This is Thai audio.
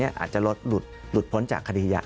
อาจจะลดหลุดพ้นจากคดียา